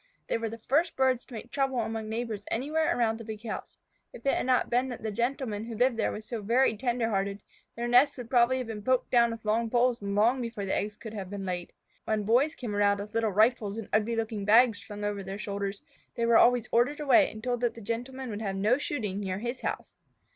They were the first birds to make trouble among neighbors anywhere around the big house. If it had not been that the Gentleman who lived there was so very tender hearted, their nests would probably have been poked down with poles long before the eggs could have been laid in them. When Boys came around with little rifles and ugly looking bags slung over their shoulders, they were always ordered away and told that the Gentleman would have no shooting near his house.